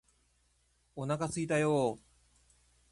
お腹すいたよーー